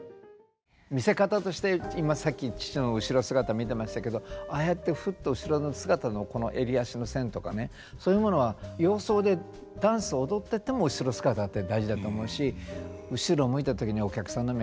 見せ方として今さっき父の後ろ姿見てましたけどああやってふっと後ろ姿のこの襟足の線とかねそういうものは洋装でダンス踊ってても後ろ姿って大事だと思うし。